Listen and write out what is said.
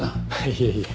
いえいえ。